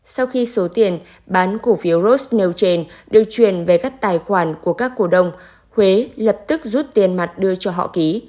sau khi số tiền bán cổ phiếu rose nêu trên điều chuyển về các tài khoản của các cổ đông huế lập tức rút tiền mặt đưa cho họ ký